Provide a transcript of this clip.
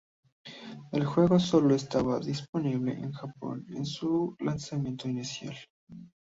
El juego sólo estaba disponible en Japón en su lanzamiento inicial.